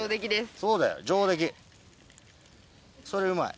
そうだよ上出来それうまい。